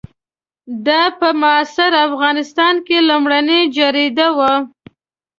دا په معاصر افغانستان کې لومړنۍ جریده وه.